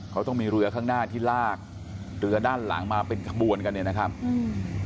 เขาต้องมีเรือข้างหน้าที่ลากเรือด้านหลังมาเป็นขบวนกันเนี่ยนะครับอืม